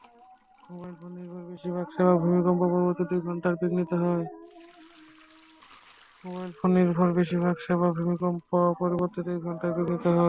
Mobile ফোন-নির্ভর বেশির ভাগ সেবা ভূমিকম্প -পরবর্তী দুই ঘণ্টা বিঘ্নিত হয়।